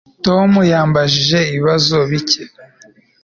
Tom yambajije ibibazo bike